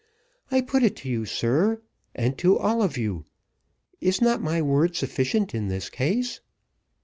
I put it to you, sir, and to all of you, is not my word sufficient in this case?"